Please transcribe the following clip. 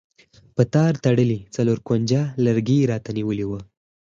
په تار تړلی څلور کونجه لرګی یې راته نیولی و.